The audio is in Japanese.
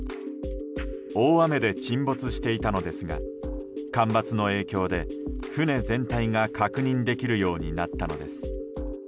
大雨で沈没していたのですが干ばつの影響で、船全体が確認できるようになったのです。